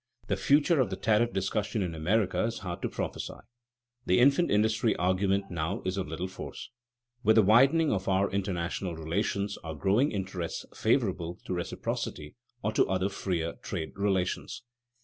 The future of the tariff discussion in America is hard to prophesy. The infant industry argument now is of little force. With the widening of our international relations are growing interests favorable to reciprocity or to other freer trade relations.